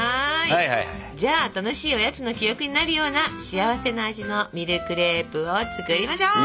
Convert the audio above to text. じゃあ楽しいおやつの記憶になるような幸せな味のミルクレープを作りましょう。